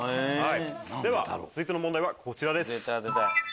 では続いての問題はこちらです。